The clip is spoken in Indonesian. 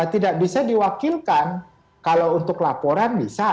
tidak bisa diwakilkan kalau untuk laporan bisa